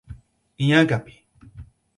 Inhangapi